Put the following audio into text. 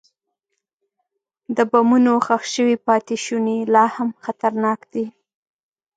د بمونو ښخ شوي پاتې شوني لا هم خطرناک دي.